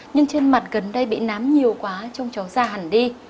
nhưng trên mặt gần đây bị nám nhiều quá trông cháu da hẳn đi